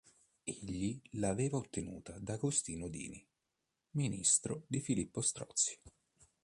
Egli l'aveva ottenuta da Agostino Dini, ministro di Filippo Strozzi.